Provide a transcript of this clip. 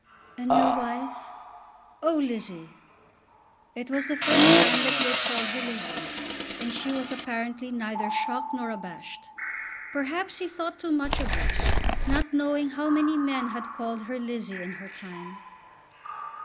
"And your wife?" "Oh, Lizzie!" It was the first time that he had called her Lizzie, and she was apparently neither shocked nor abashed. Perhaps he thought too much of this, not knowing how many men had called her Lizzie in her time.